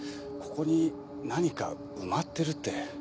ここに何か埋まってるって。